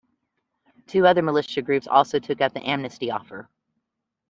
Two other militia groups also took up the amnesty offer.